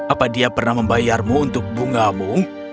apa dia pernah membayarmu untuk bungamu